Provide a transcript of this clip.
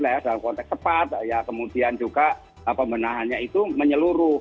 ya dalam konteks cepat ya kemudian juga pembenahannya itu menyeluruh